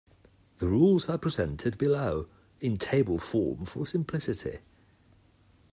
The rules are presented below, in table form for simplicity.